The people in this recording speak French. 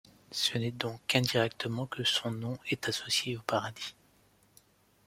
Ce n'est donc qu'indirectement que son nom est associé au paradis.